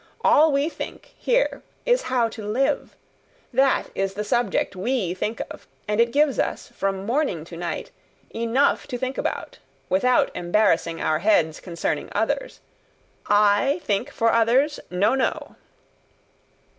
All we think, here, is how to live. That is the subject we think of, and it gives us, from morning to night, enough to think about, without embarrassing our heads concerning others. I think for others? No, no."